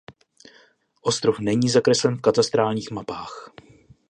Ostrov není zakreslen v katastrálních mapách.